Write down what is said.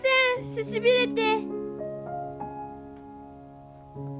ししびれて。